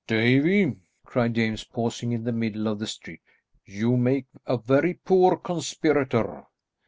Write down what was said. "Davie," cried James, pausing in the middle of the street, "you make a very poor conspirator."